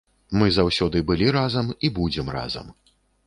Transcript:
Мы заўсёды былі разам і будзем разам.